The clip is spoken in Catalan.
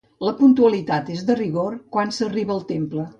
La puntualitat és de rigor quan s'arriba al temple.